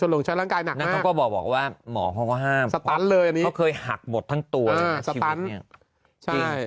แล้วก็บอกว่าหมอเขาก็ห้ามเขาเคยหักหมดทั้งตัวชีวิตนี้